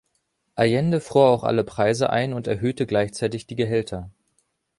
Allende fror auch alle Preise ein und erhöhte gleichzeitig die Gehälter.